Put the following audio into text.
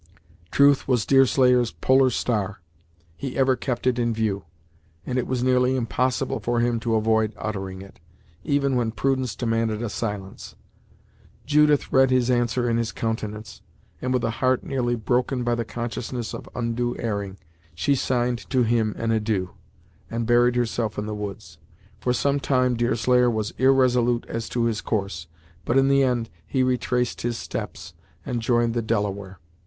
Truth was the Deerslayer's polar star. He ever kept it in view, and it was nearly impossible for him to avoid uttering it, even when prudence demanded silence. Judith read his answer in his countenance, and with a heart nearly broken by the consciousness of undue erring, she signed to him an adieu, and buried herself in the woods. For some time Deerslayer was irresolute as to his course; but, in the end, he retraced his steps, and joined the Delaware.